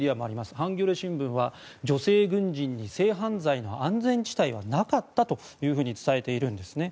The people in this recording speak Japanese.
ハンギョレ新聞は、女性軍人に性犯罪の安全地帯はなかったと伝えているんですね。